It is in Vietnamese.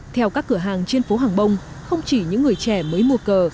theo các cửa hàng trên phố hàng bông không chỉ những người trẻ mới mua cờ